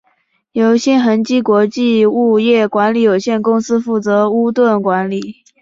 由新恒基国际物业管理有限公司负责屋邨管理。